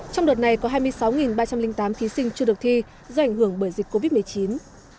trong đợt này có hai mươi sáu ba trăm linh tám thí sinh chưa được thi do ảnh hưởng bởi dịch covid một mươi chín